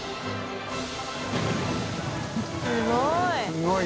すごい。